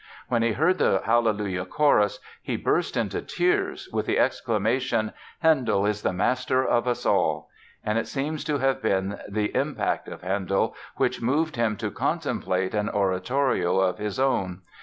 When he heard the "Hallelujah" chorus he burst into tears with the exclamation "Handel is the master of us all!" And it seems to have been the impact of Handel which moved him to contemplate an oratorio of his own.